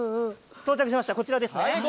到着しました、こちらです。